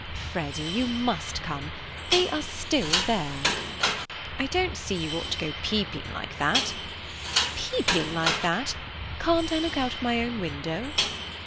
"Freddy, you must come. There they still are!" "I don't see you ought to go peeping like that." "Peeping like that! Can't I look out of my own window?"